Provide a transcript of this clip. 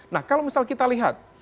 nah kalau misal kita lihat